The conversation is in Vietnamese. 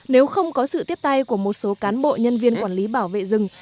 nếu không có sự tiếp tay của một số cán bộ nhân viên quản lý bảo vệ rừng